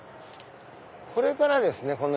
これからですね